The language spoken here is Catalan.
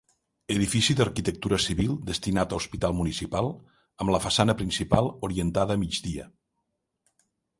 Edifici d'arquitectura civil destinat a Hospital Municipal, amb la façana principal orientada a migdia.